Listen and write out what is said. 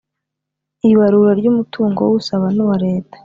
ibarura ry umutungo w usaba n uwa leta